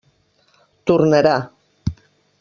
Tornarà.